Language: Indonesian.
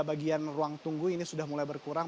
bagian ruang tunggu ini sudah mulai berkurang